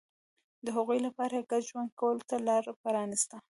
د هغوی لپاره یې ګډ ژوند کولو ته لار پرانېسته